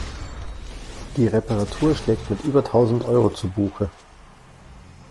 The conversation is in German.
Die Reparatur schlägt mit über tausend Euro zu Buche.